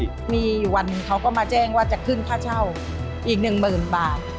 ข้างในมึงมีอีก๑วันเขาก็มาแจ้งว่าจะขึ้นค่าเช่าอีกหนึ่งหมื่นบาท